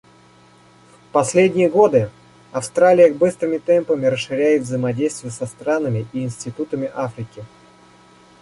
В последние годы Австралия быстрыми темпами расширяет взаимодействие со странами и институтами Африки.